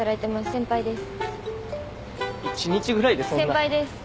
先輩です。